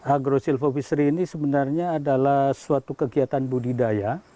agro silvofissery ini sebenarnya adalah suatu kegiatan budidaya